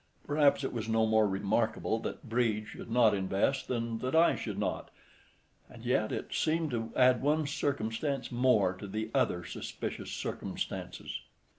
Perhaps it was no more remarkable that Brede should not invest than that I should not—and yet, it seemed to add one circumstance more to the other suspicious circumstances.